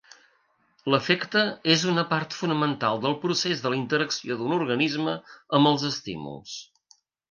L'afecte és una part fonamental del procés de la interacció d'un organisme amb els estímuls.